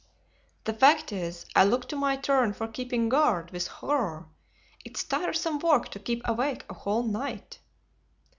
"The fact is, I look to my turn for keeping guard with horror. It's tiresome work to keep awake a whole night."